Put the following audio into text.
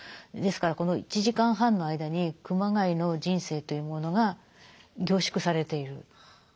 ですからこの１時間半の間に熊谷の人生というものが凝縮されている。